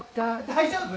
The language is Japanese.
大丈夫？